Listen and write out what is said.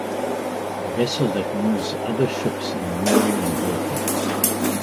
A vessel that moves other ships in mooring and berthing.